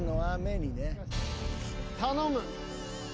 頼む！